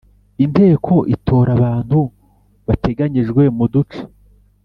Inteko itora abantu bateganyijwe mu duce